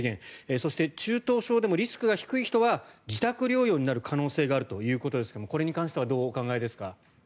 そして、中等症でもリスクが低い人は自宅療養になる可能性があるということですけれどもこれに関してはどうお考えですか？